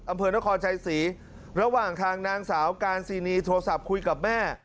อำเภอนครชัยศรีระหว่างทางนางสาวการซีนีโทรศัพท์คุยกับแม่